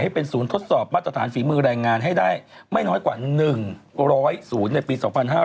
เป็นศูนย์ทดสอบมาตรฐานฝีมือแรงงานให้ได้ไม่น้อยกว่า๑๐๐ศูนย์ในปี๒๕๕๙